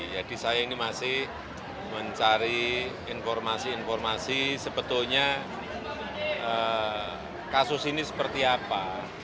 jadi saya ini masih mencari informasi informasi sebetulnya kasus ini seperti apa